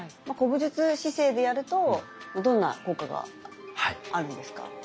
古武術姿勢でやるとどんな効果があるんですか？